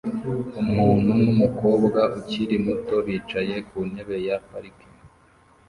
Umuntu numukobwa ukiri muto bicaye ku ntebe ya parike